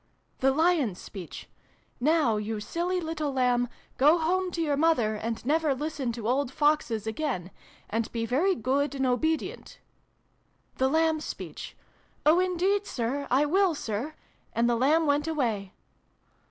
" The Lion's speech. ' Now, you silly little Lamb, go home to your mother, and never listen to old Foxes again. And be very good and obedient.' "The Lamb's speech. 'Oh, indeed, Sir, I will, Sir!' and the Lamb went away."